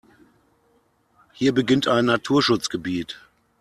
Hier beginnt ein Naturschutzgebiet.